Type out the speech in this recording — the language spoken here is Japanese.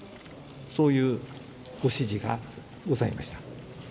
そういうご指示がございました。